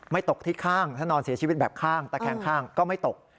ตกที่ข้างถ้านอนเสียชีวิตแบบข้างตะแคงข้างก็ไม่ตก